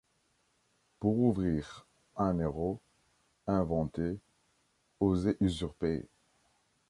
Pour ouvrir un héros : inventez, osez usurper !